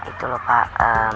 itu lho pak